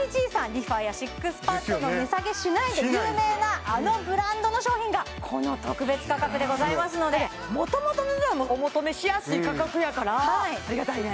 ＲｅＦａやＳＩＸＰＡＤの値下げしないで有名なあのブランドの商品がこの特別価格でございますのでもともとの値段もお求めしやすい価格やからありがたいね